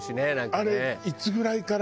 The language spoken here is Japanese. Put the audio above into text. あれいつぐらいから？